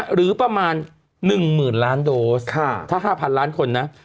หรือประมาณ๑๐๐๐ล้านโดสถ้า๕๐๐ล้านคนนะ